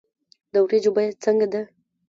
د ورجو بیه څنګه ده